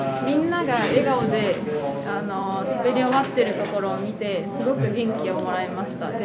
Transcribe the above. みんなが笑顔で滑り終わっているところを見てすごく元気をもらえました。